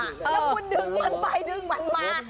แล้วคุณดึงมันไปดึงมันมา